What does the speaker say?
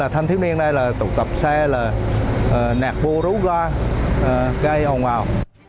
thanh thiếu niên đây là tụ tập xe nạc bô rú ga gai hồng hào